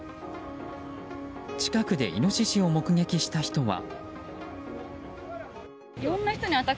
近くでイノシシを目撃した人は。